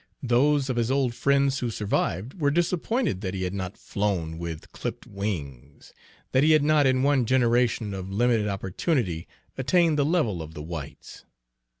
Those of his old friends who survived were disappointed that he had not flown with clipped wings; that he had not in one generation of limited opportunity attained the level of the whites.